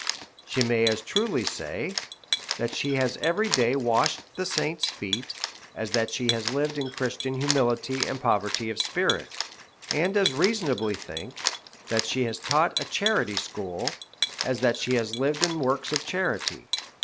She may as truly say^ that she has every (lay washed the saints' feet, as that she has lived in Christian humility and poverty of spirit, and as rea sonably think that she has taught a charity school, as that she has lived in works of charity.